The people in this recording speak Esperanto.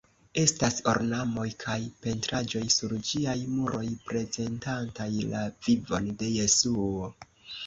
Estas ornamoj kaj pentraĵoj sur ĝiaj muroj prezentantaj la vivon de Jesuo.